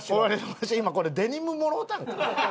わしは今これデニムもろうたんか？